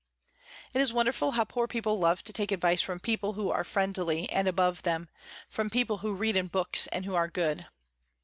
It is wonderful how poor people love to take advice from people who are friendly and above them, from people who read in books and who are good.